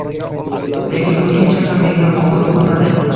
Lekin u hech qachon menga qoʻngʻiroq qilmadi